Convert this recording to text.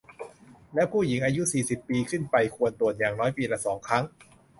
และผู้หญิงอายุ สี่สิบ ปีขึ้นไปควรตรวจอย่างน้อยปีละ สอง ครั้ง